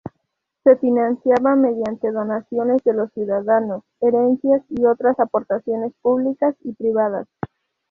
Se financiaba mediante donaciones de los ciudadanos, herencias y otras aportaciones públicas y privadas.